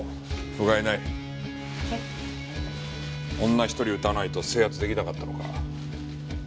女一人撃たないと制圧出来なかったのか？